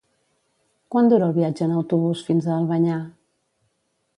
Quant dura el viatge en autobús fins a Albanyà?